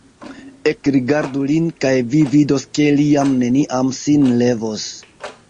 Ekrigardu lin, kaj vi vidos, ke li jam neniam sin levos.